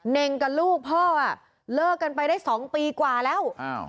เน่งกับลูกพ่อเลิกกันไปได้๒ปีกว่าแล้ว